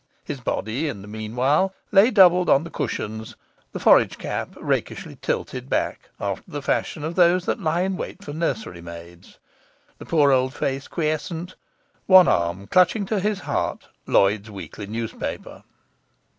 His body, in the meanwhile, lay doubled on the cushions, the forage cap rakishly tilted back after the fashion of those that lie in wait for nursery maids, the poor old face quiescent, one arm clutching to his heart Lloyd's Weekly Newspaper.